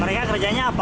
mereka kerjanya apa